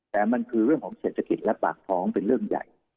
แต่มันคือเรื่องของเศรษฐกิจและปากท้องเป็นเรื่องใหญ่